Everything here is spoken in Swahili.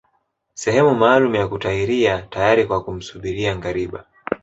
Sehemu maalumu ya kutahiria tayari kwa kumsubiri ngariba